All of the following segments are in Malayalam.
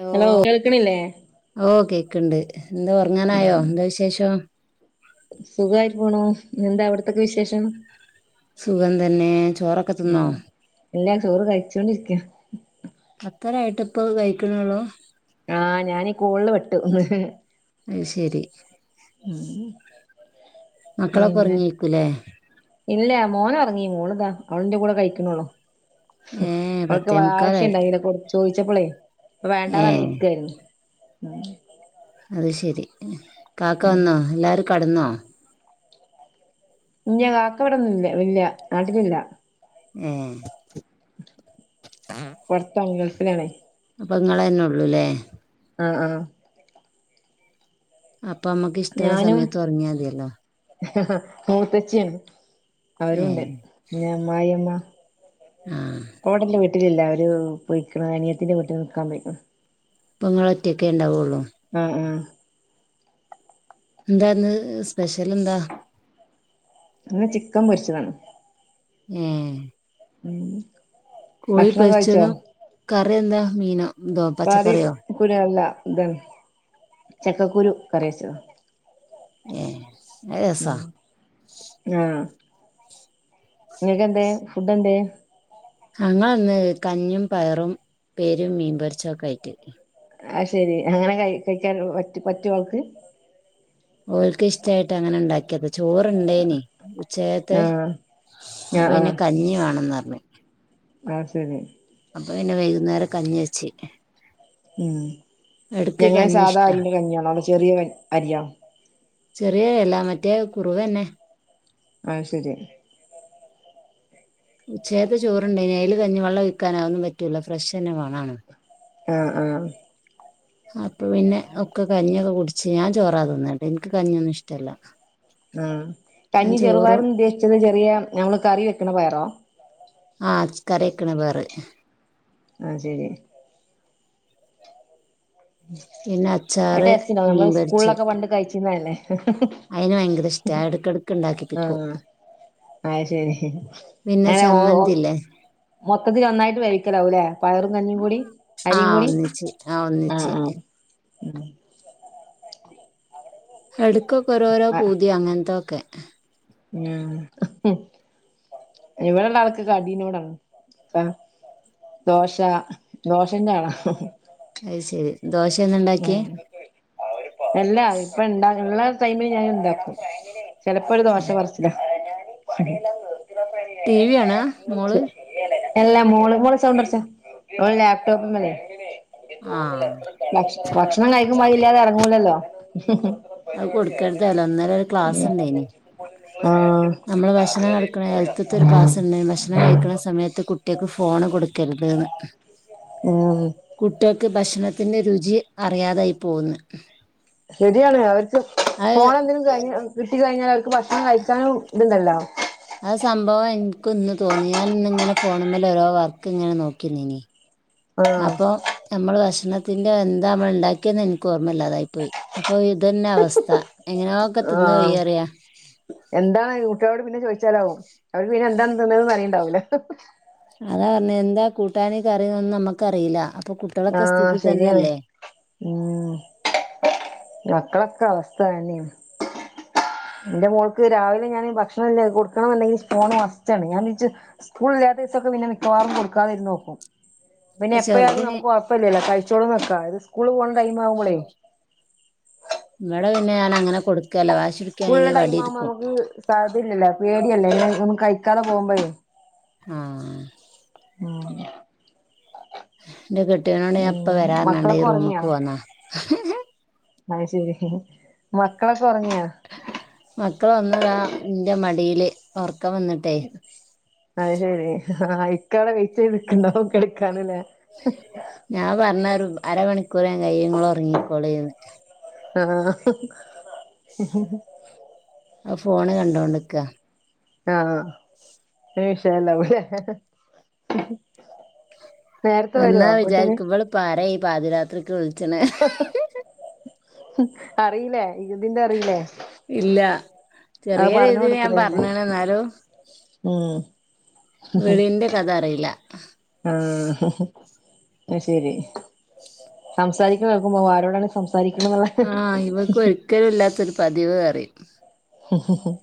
ഹലോ ഓ കേക്കണ്ട് എന്താറങ്ങാനായോ എന്താ വിശേഷം സുഖായി പോണോ നിഎന്താ അവിടത്തൊക്കെ വിശേഷം സുഖം തന്നേ ചോറൊക്കെ തിന്നോ ല്ലാ ചോറ് കഴിച്ചോണ്ടിരിക അത്രയിട്ടിപ്പത് കഴിക്കുന്നുള്ളൂ ആ ഞാനീ കൂല് പെട്ട അത് ശരി പിന്നെ മക്കളൊക്കെറുങ്ങിയാരിക്കൂല്ലേ ഇല്ല മോനറങ്ങി മോളതാ അവളന്റെ കൂടെ കഴിക്കണുള്ളു ഏ അവൾക്ക് പത്തേ മുക്കാലായി ആവശ്യണ്ടായില്ല കൊറച്ച് ചോദിച്ചപ്പോളേ പ്പ വേണ്ടാന്നു ഏ പറഞ്ഞരിക്കായിരുന്നു അത് ശരി കാക്ക വന്നോ എല്ലാരും കടന്നോ ന്റെ കാക്കവിടൊന്നില്ലേ വില്ല നാട്ടിലില്ല എ പൊറത്താണ് ഗൾഫിലാണേ പ്പൊ നിങ്ങളന്നെള്ളൂല്ലേ അ ആ അപ്പൊമ്മുക്ക് ഇഷ്ടുള്ള സമയത്തുറങ്ങിയാ മതിയല്ലോ അ അ മൂത്തച്ചിയാണ് ഏ അവരുണ്ട് പിന്നെമ്മായിമ്മ ആ ഓടല്ല വീട്ടിലില്ല അവര് പൊയിക്കണു അനിയത്തിന്റെ വീട്ടിൽ നിക്കാൻ പോയിക്കണു പ്പങ്ങളൊറ്റക്കെ ഉണ്ടാവൊള്ളോ ആ അ എന്താരുന്നു സ്പെഷ്യലെന്താ ഇന്ന് ചിക്കൻ പൊരിച്ചതാണ് ഏ ഉം കോഴി ഭക്ഷണം കഴിച്ചോ പൊരിച്ചതും കറി എന്താ മീനോ ഇതോ പാതി പച്ചക്കറിയോ കുരു അല്ല ന്താണ് ചക്കക്കുരു കറിവെച്ചത് എ ഉം അ നിനക്കെന്തേ ഫുഡ് എന്തേ ഞങ്ങന്ന് കഞ്ഞിയും പയറും പേരും മീൻപൊരിച്ചതൊക്കായിട്ട് ആ ശെരി അങ്ങനെ ക കഴിക്കാൻ പറ്റുവോൾക്ക് ഓൾക്ക് ഇഷ്ടയിട്ടങ്ങനെ ഉണ്ടാക്കിയത് ചോറൊണ്ടേനി ഉച്ചയത്തേ ആഹ് ആഹ് അപ്പൊന്നെ കഞ്ഞി വേണോന്ന് പറഞ്ഞു ആ ശരി അപ്പൊ പിന്നെ വൈകുന്നേരം കഞ്ഞിവെച്ച് ഉം ങ്ങടെ കഞ്ഞി ഇഷ്ടാ സാധാഅരീന്റെ കഞ്ഞിയാണോ അതോ ചെറിയ അരി ആണോ ചെറിയെല്ലാ മറ്റേ കുറുവ്തന്നെ അ ശെരി ഉചെക്കത്തെ ചോറുണ്ടേനേല് അയില് കഞ്ഞി വെള്ള ഒഴിക്കാനാ ഒന്നും പറ്റൂല്ല ഫ്രഷന്നെ വേണോന്ന് ആ ആ അപ്പൊ പിന്നെ ഒക്കെ കഞ്ഞിയൊക്കെ കുടിച്ച് ഞാൻ ചോറാ തിന്നാ എനിക്ക് കഞ്ഞിയൊന്നുയിഷ്ടല്ലാ ഉം കഞ്ഞി ചെറുപയറുന്നുദ്ദേശിച്ചത് ചെറിയ ഞമ്മളുകറി വെക്കണ പയറോ ആ ഇജ് കറിവെക്കണ പയറ് ആ ശെരി പിന്നെ അത് അച്ചാറ് ട്ടേസ്സിനോ മീൻ നമ്മള് പൊരിച്ച് സ്കൂളിലൊക്കെ പണ്ട് കഴിച്ചിരുന്നല്ലേ അയിന് പയങ്കരിഷ്ട്ടാ എടക്കെടക്കിണ്ടാക്കി പ്പിക്കു ആ ശെരി ശെരി പിന്നെ അങ്ങനെ ഓ ഓ ചമ്മന്തില്ലേ മൊത്തത്തിലൊന്നായിട്ട് വേവിക്കലാവൂലേ പയറും കഞ്ഞിയും കൂടി ആ അരിയുംകൂടി ഒന്നിച്ച് ആ ഒന്നിച്ച് [unintelligible] എടുക്കൊക്കെ ഓരോരോ ആഹ് പൂതിയാ അങ്ങനത്തൊക്കെ ഉം ഇവിടൊള്ളാൾക്ക് കടീനോടാണ് ദോശാ ദോശേൻ്റാളാ അയ്ശെരി ദോശയ ന്നാ ഇണ്ടാക്കിയേ അല്ലാ അവരിപ്പ യിണ്ടാക്കുള്ള ടൈമിൽ ഞാൻ ഇണ്ടാക്കും ചെലപ്പോ ഒരു ദോശകൊറച്ചില ടിവി കാണാ മോള് അ ല്ലാ മോള് മോള് സൗണ്ടുറച്ചേ അവള് ലാപ്ട്ടോപ്പിൻ മേലെയാ ആ ഭക്ഷണം കഴിക്കുമ്പോ അയില്ലാതെ എറങ്ങൂലല്ലോ അത് കൊടുക്കരുതല്ലോ ഇന്നലെ ഒരു ക്ലാസുണ്ടേയന്‌ ആ അ നമ്മള് ഭക്ഷണം കഴിക്കണ നേരത്തത്തെ ഒരു ക്ലാസ്സുണ്ടാരുന്നു ഭക്ഷണം കഴിക്കണ സമയത്ത് കുട്ട്യൾക്ക് ഫോണ് കൊടുക്കരുത് ന്ന് ഉം കുട്ട്യൾക്ക് ഭക്ഷണത്തിന്റെ രുചി അറിയാതായി പോകൂ ന്ന് ശരിയാണ് അവർക്ക് അത് ഫോണെന്തേ ലും കഴിഞ്ഞ് കിട്ടികഴിഞ്ഞാൽ അവർക്ക് ഭക്ഷണം കഴിക്കാനുയിതുണ്ടല്ലോ ആ സംഭവം എനിക്കൂ ഇന്ന് തോന്നി ഞാൻ ഇന്നിങ്ങനെ ഫോണുമ്മേ ല് ഓരോ വർക്ക് ഇങ്ങനെ നോക്കിന്നീനി ആഹ് അപ്പോ നമ്മൾ ഭക്ഷണത്തിന്റെ എന്താമ്മളുണ്ടാക്കിയേന്ന് എനിക്ക് ഓർമ്മല്ലാതായി പോയ് അപ്പൊ ഇതന്നെ അവസ്ഥ എങ്ങനെയൊക്കെ തിന്ന് ആം വയ്യറിയാ എന്താണിത് കുട്ടിയോളോട് പിന്നെ ചോദിച്ചാലാവും അവര് പിന്നെ എന്താണ് തിന്നേന്ന് അറിയിണ്ടാവൂലല്ല അതാ പറഞ്ഞേ എന്താ കൂട്ടാന് കറിയൊന്ന് നമ്മുക്കറിയില്ലാ അപ്പൊ കുട്ടിയോളെ ക്കെ സ്ഥിതി ഇതന്നല്ലേ [unintelligible] മ്മ് മക്കളെക്കാ അവസ്ഥ തന്നി ന്റെ മോൾക്ക് രാവിലെ ഞാന് ഭക്ഷണല്ലേ കൊടുക്കണമെന്തേല് ഫോൺ മസ്റ്റാണു ഞാനിഞ്ച് സ്കൂളില്ലാത്തിവസൊക്കെ പിന്നെ മിക്കവാറും കൊടുക്കാതിരുന്നോക്കും പിന്നെ ഇപ്പൊ എപ്പഴത് ചെറുതിന് നമുക്ക് കൊഴപ്പില്ല്യലോ കഴിച്ചോളൂന്ന് വെക്കാ ഇത് സ്കൂളി പോണ ടൈം ആവുമ്പോളേ ഇവിടെ പിന്നെ ഞാൻ അങ്ങനെ കൊടുക്കേല വാശി [unintelligible] സ്കൂളിന്റെ പിടിക്കുകയാണെങ്കിൽ ടൈം ആകുമ്പോഴെ വടിയെടുക്കും നമുക്ക് ടൈം ഇല്ലല്ലോ പേടിയാവില്ലേ ഇതൊന്നും കഴിക്കാതെ പോകുമ്പോ ആ [inaudible] എന്റെ കെട്ടിയനോട് പിന്നെ ഞായിപ്പവരാനാണ്ട് പറഞ്ഞ മക്കളൊക്കെ ഈ റൂമിക്ക് പോന്നെ ആ ശരി മക്കളൊക്കെ ഒർങ്ങിയാ? മക്കളൊന്ന്താ ന്റെ മടില് ഒർക്കം വന്ന്ട്ടേ. അഅ് ശരി അയ്ക്കാണ് വെയ്റ്റെയ്ത് ക്ക്ണ്ടാവും കളിക്കാന് ലേ. ഞാ പർഞ്ഞാരു അരമണിക്കൂറ ങ്ങായെ ങ്ങളൊർങ്ങിക്കോളീന്ന്. അ ആഹ്. അ ഫോണ് കണ്ടോണ്ട്ക്ക. ആഹ്. [inaudible] വിഷയല്ലവടെ വന്നാ വിചാരിക്കും വള്പ്പാരാ ഈ പാതിരാത്രിക്ക് വിൾച്ചണ്. അറീല്ലേ ഇക് തിൻ്ററീല്ലേ. ഇല്ല ചെറിയ രീതിൽ ഞാ കൊടുത്തതല്ലേ പർഞ്ണ് ന്നാലും. ഉം വിളിയിന്റെ കഥ അറിയില്ല ആഹ് അ ശരി. സംസാരിക്കണ കേൾക്കുമ്പോ ആരോടാണ് സംസാരിക്ണന്നുള്ള. ആ ഇവക്ക് ഒരിക്കലും ഇല്ലാത്തൊരു പതിവ് അറിം. ഹ ഹ ഹ.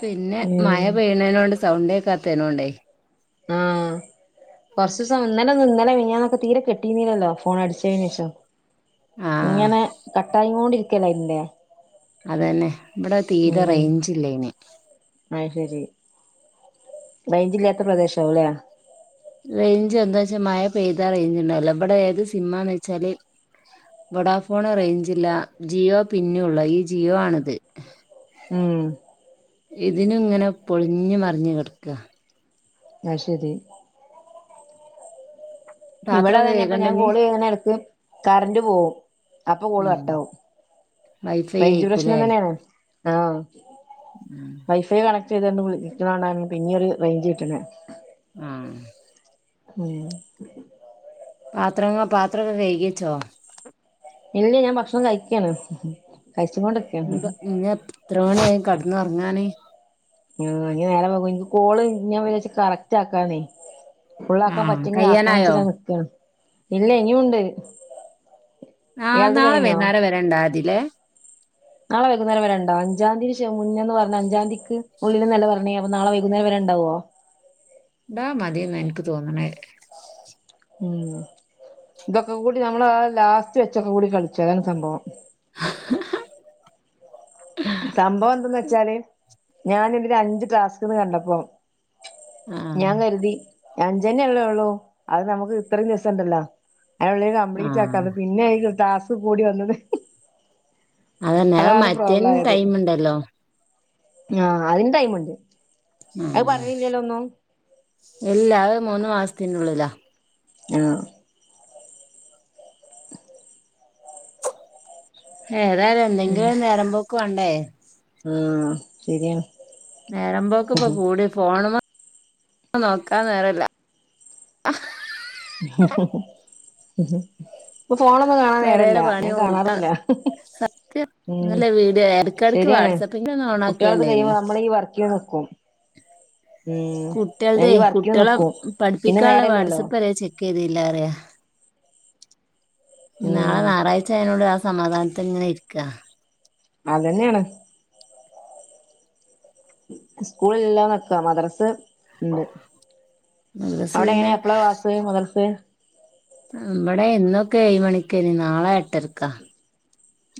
പിന്നെ മയ ഉം പെയ്യണേനോണ്ട് സൗണ്ടേക്കാത്തേനോണ്ടേ. കൊർച്ച് സമ ഇന്നലെന്നു ഇന്നലെ മിനിയാന്നൊക്കെ തീരെ കേട്ടീ ന്നീല്ലല്ലോ ഫോൺ അടിച്ചതിനേഷം. ആഹ് ഇങ്ങനെ കട്ടായി ക്കോണ്ടിരിക്കല്ലേ ഇതിന്റെ. അത് തന്നെ ഇവിടെ തീരെ റേഞ്ച് ഇല്ല ഇതിന് അയ് ശരി റെയ്ഞ്ചില്ലാത്ത പ്രദേ ശാവുലേ. റേഞ്ച് എന്ത ച്ചാ മയ പെയ്താ റേഞ്ച് ണ്ടാവുല വടെ ഏത് സിം ആന്ന് വെച്ചാല്. വഡാഫോൺ റേഞ്ചില്ല ജിയോ പിന്നെയുള്ളു ഈ ജിയോ ആണ്ത്. ഉം. ഇതിനുങ്ങനെ പൊൾഞ്ഞ് മർഞ്ഞ് കട്ക്ക്യ. അത് ശരി രാത്രിയൊക്കെ ഇവിടതന്നെപ്പം കേൾക്കണ്ട ഞാ ഇഞ്ഞ് കോള് ചെയ്യണെട്ക്ക് കറൻ്റ് പോവും അപ്പൊ കോള് ഉം കട്ടാവും. വൈഫൈ റെയ്ഞ്ച് ആയിക്കൂലേ പ്രശ്നം തന്നെയാണ് ആഹ് വൈഫ ഒരു കണക്കേതാലും വുൾ ക്ണ കണ്ടാൽ പിന്ന്യാരു റേഞ്ച് കിട്ടണെ. ആഹ്. ഉം. ആത്രങ്ങ പാത്രൊക്കെ കഴ്കി ച്ചോ? ഇല്ല ഞാ ഭക്ഷണം കഴിക്ക്യാണ് കഴിച്ചു കൊണ്ട്- ഞ്പ്പ ഇനി ഞ്ഞെത്ര മണിയായി കട്ന്നൊർങ്ങാന്. ഞാ ഞ് നേരം വെഗ്ഗു ൻ കോള് ഞാ വിചാച്ച് കറക്റ്റ് ആക്കാന്നേ. ഫുള്ളാക്കാൻ ആഹ് പറ്റുമെങ്കിൽ ആക്കാന്ന് കയ്യാനായോ വെച്ചിട്ട് നിക്കാണ് ഇല്ല ഇനിം ഉണ്ട് ആഹ് നാളെ വൈന്നാരം വരെ ണ്ടായതി ലെ. നാളെ വൈകുന്നേരം വരണ്ടോ അഞ്ചാം തീയതി മുന്നേ പറഞ്ഞ് അഞ്ചാം തീയതിക്ക് ഉള്ളില് എന്നല്ലേ പറഞ്ഞേ അപ്പൊ നാളെ വൈകേന്നേരം വരെ ഉണ്ടാകുവോ ടാ മതിന്നാ ഇൻക്ക് തോന്ന്ണേ. ഉം തൊക്കെ കൂടി നമ്മൾ ആ ലാസ്റ്റ് വെച്ചൊക്കെ കൂടി കൾച്ചു അതാണ് സംഭവം. ഹ ഹ ഹ. സംഭവം എന്തന്ന് വെച്ചാല് ഞാന്ത് രണ്ട് ടാസ്ക് ന്ന് കണ്ടപ്പോ- ആഹ് ഞാ കര്തി അഞ്ചണ്ണേ ല്ലേ ള്ളൂ അത് നമുക്ക് ഇത്രിം ദിവസണ്ടല്ലോ. അയ്നുള്ളി കംപ്ലീറ്റ് ആഹ് ആക്കാന്ന് പിന്നെനു ടാസ്ക് കൂടി വന്നത്. അതന്നെ അ അതാണ് മറ്റേൻ പ്രോബ്ലം ടൈമ്ണ്ടല്ലോ. ഞാ അതിന് ടൈമ്ണ്ട് അയ് പർഞ്ഞില്ലല്ലോ ഒന്നും. എല്ല അഅ് മൂന്ന് മാസ്ത്തിൻ്റുള്ളിലാ. ആഹ്. ഏതായാലും എന്തെങ്കിലും ഒരു നേരം പോക്ക് വേണ്ടെ ആ ശരിയാണ് നേരമ്പോക്ക് ഇപ്പോ കൂടി ഫോണിന്മേ നോക്കാ നേര ല്ല ആ ഇപ്പൊ ഫോണൊന്നും കാണാൻ നേര ല്ല പെരേലെ ഞാൻ പണിയും കൂട്ടാ കാണാറുമില്ല ക്ക് ഉം നല്ല വീഡിയോ എടക്കെടക്ക് ശരിയാണ്. വാട്സപ്പിന്റെ ഒന്ന് കുട്ടികളക്ക [unintelligible] ഓണാക്കേണ്ടേനി മ്പോൾ നമ്മള ഈ വർക്കെയ്തോക്കും. കുട്ടികളടെ ഈ വർക്കിന് കുട്ടികളെ നിക്കും പിന്നെ പഠിപ്പിക്കാള്ള നേരല്ലല്ലോ വാട്സപ്പ് വരെ ചെ ക്കയ്തില്ല റയാ. നാളെ ഉം ഞാറാഴ് ച ആആയതോണ്ട് ആ സമാധാനത്തില് ഇങ്ങനെ ഇരിക്ക. അതന്നെണ്. സ്കൂള്ല്ലല്ലാ നക്കാം, മദ്രസ് ഉണ്ട്. മദ്രസ് അവിടെ പിന്നെ എങ്ങനെയാ എപ്പള ക്ലാസ്സ്‌ മുദ്രസ്. ഇവടെ ഇന്നൊക്കെ ഏഴ മണിക്കന് നാളെ എട്ടരക്കാ.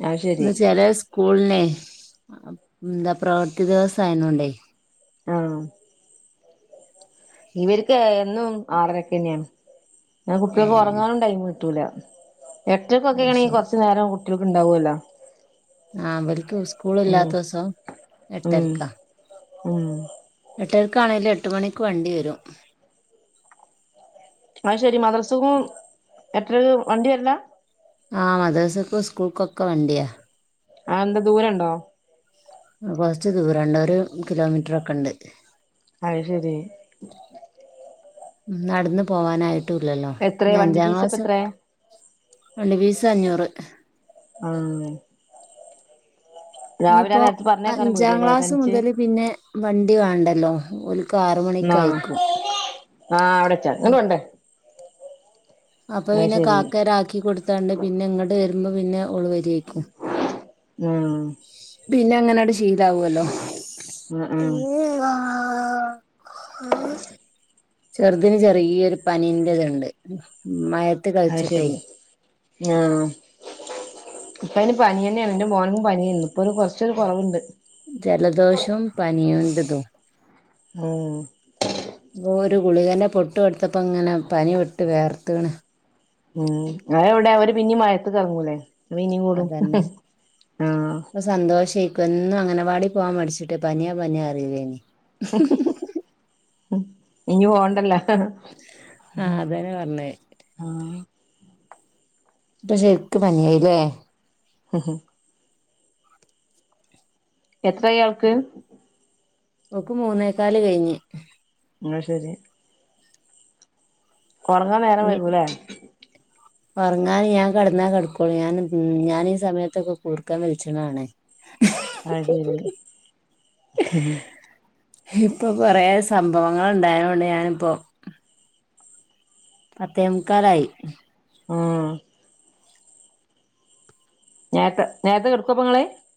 അത് ശരി ചേലെ സ് കൂളിലെ എന്താ പ്രവൃത്തി ദിവസം ആയതോണ്ടേ, ആഹ ഇവര്ക്ക് എന്നും ആറരക്കന്നെയാണ്. കുട്ടികൾക്ക് ഏഹ് ഉറങ്ങാനും ടൈം കിട്ടൂല. എട്ടരയ്ക്കൊക്കെ അത് ണെങ്കിൽ ശരി കുറച്ചു നേരം കുട്ടികൾക്ക് ഉണ്ടാവുലാ. ആ അവര്ക് ഉം ഉസ്കൂളില്ലാത്ത ദിവസം ഉം എട്ടരക്ക. ഉം എട്ടേരക്കാണെലും എട്ട് മണിക്ക് വണ്ടി വരും. അത് ശരി മദ്രസകും എത്ര വണ്ടി വരല. ആ മദ്രസക്കും സ്കൂൾക്കൊക്കെ വണ്ടിയാ. ആ എന്താ ദൂരം ഉണ്ടോ? കൊറച്ച് ദൂരംണ്ട്. ഒരു കിലോമീറ്ററൊക്കെ ഉണ്ട്. അത് ശരി. നടന്നു പോകാനായി റ്റുല്ലല്ലോ. എത്രയാ ഞ വണ്ടി അഞ്ചാം ഫീസ് ഒക്കെ ക്ലാസ്, എത്രയാ ഉണ്ട് ഫിസ് അഞ്ഞൂറ്. ആ രാവിലെ ഇനിപ്പോ നേരത്ത് പറഞ്ഞേക്കാനും അഞ്ചാം പേടിയാല്ലേ ക്ലാസ് തനിച്ച് മുതല് പിന്നെ വണ്ടി വേണ്ടല്ലോ. ഓല് ക് ആറ മണിക്ക് ആഹ് അയക്കും. [unintelligible] അപ്പൊ അത് പിന്നെ ശരി കാക്കരാക്കി കൊടുത്താണ്ട്, പിന്നെ ഇങ്ങട് വരുമ്പോ പിന്നെ ഓള് വരിക്കും. ഉം. പിന്നെ അങ്ങനെട് ശീലാവല്ലോ. ഉം ഉം ചെറുതിന് ചെറിയൊരു പനീന്റെ ഇതുണ്ട്. മ അത് ശരി ആഹ. ഇപ്പ അതിന് പനി തന്നെണ്. എന്റെ മോനും പനിയേണ് ഇപ്പൊ കുറച്ചൊരു കുറവുണ്ട്. ജലദോഷവും പനിയുംണ്ട് തു ആ. ഓ ഒരു ഗുളികെന്റെ പൊട്ടു കൊടുത്തപ്പോ അങ്ങനെ പനി വിട്ട് വേർത്തണ്. ഉം. അത എവിടെ അവര് പിന്നീ മഴത്ത് തുടങ്ങൂലേ. അപ ഇനിയും കൂടും. ആഹ സന്തോഷേക്കും എന്നും അങ്ങനവാടി പോകാൻ മടിച്ചിട്ട് പനിയാ പനിയ [unintelligible] ഇനി പോണ്ടല്ല. ആ അതന്നെ പറഞ്ഞെ. ആഹ. ഇപ്പ ശര്ക്ക് പനിയായില്ലേ. [unintelligible] എത്രയ അവൾക്ക്. അവക്ക് മൂന്നേക്കാല് കഴിഞ്ഞ്. എന്ന ശരി. ഉറങ്ങാൻ നേരം ഇനി വൈകുംല്ലേ. ഉറങ്ങാൻ ഞാൻ കിടന്നാ കിടക്കോളൂ. ഞാൻ ഞാനീ ഈ സമയത്തൊക്കെ [unintelligible] അത് ശരി. ഇപ്പ കുറേ സംഭവങ്ങൾ ഉണ്ടായതുകൊണ്ട് ഞാനിപ്പോ പത്തേമുക്കാലായി. ആഹ് നേരത്തെ നേരത്തെ കെടക്കപ്പങ്ങള്